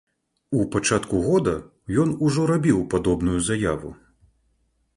У пачатку года ён ужо рабіў падобную заяву.